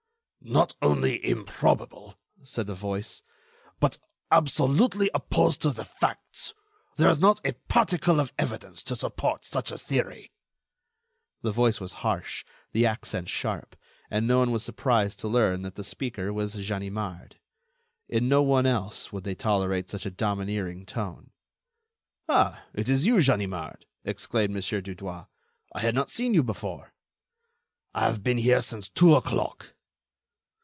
"Not only improbable," said a voice, "but absolutely opposed to the facts. There is not a particle of evidence to support such a theory." The voice was harsh, the accent sharp, and no one was surprised to learn that the speaker was Ganimard. In no one else, would they tolerate such a domineering tone. "Ah! it is you, Ganimard!" exclaimed Mon. Dudouis. "I had not seen you before." "I have been here since two o'clock."